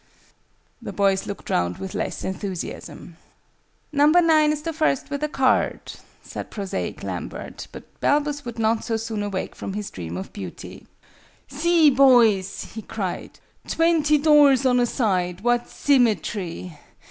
The boys looked round with less enthusiasm. "Number nine is the first with a card," said prosaic Lambert; but Balbus would not so soon awake from his dream of beauty. "See, boys!" he cried. "Twenty doors on a side! What symmetry!